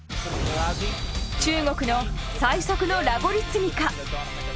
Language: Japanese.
中国の最速のラゴリ積みか？